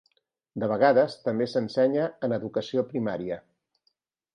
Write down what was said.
De vegades també s'ensenya en educació primària.